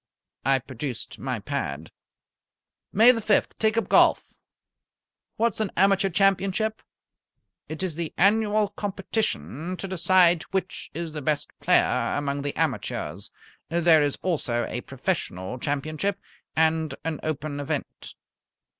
I produced my pad. "May the fifth, take up golf. What's an Amateur Championship?" "It is the annual competition to decide which is the best player among the amateurs. There is also a Professional Championship, and an Open event."